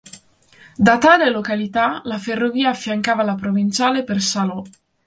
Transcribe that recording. Da tale località la ferrovia affiancava la provinciale per Salò.